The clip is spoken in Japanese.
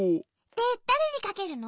でだれにかけるの？